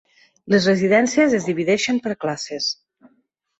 Les residències es divideixen per classes.